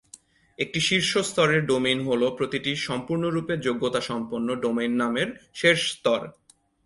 একটি শীর্ষ স্তরের ডোমেইন হলো প্রতিটি সম্পূর্ণরূপে যোগ্যতাসম্পন্ন ডোমেইন নামের শেষ স্তর।